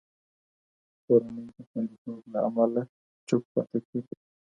کورنۍ د خوندیتوب له امله چوپ پاتې کېږي.